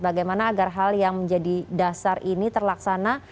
bagaimana agar hal yang menjadi dasar ini terlaksana